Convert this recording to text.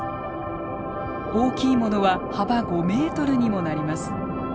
大きいものは幅５ｍにもなります。